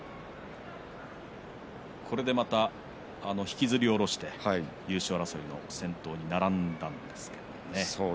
これで引きずり下ろして優勝争いの先頭に並んだんですね。